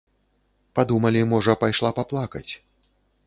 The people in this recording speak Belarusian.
Падумалі, можа, пайшла паплакаць.